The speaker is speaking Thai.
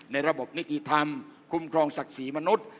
ระบบนิติธรรมคุ้มครองศักดิ์ศรีมนุษย์